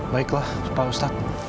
baiklah pak ustadz